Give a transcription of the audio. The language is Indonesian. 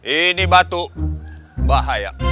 ini batu bahaya